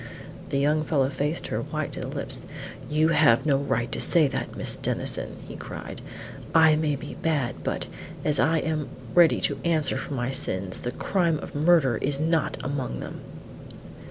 The young fellow faced her, white to the lips. "You have no right to say that, Miss Denison!" he cried. "I may be bad, but, as I am ready to answer for my sins, the crime of murder is not among them."